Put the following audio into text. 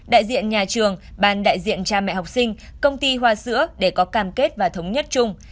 đại diện nhà trường ban đại diện cha mẹ học sinh công ty hoa sữa để có cam kết và thống nhất chung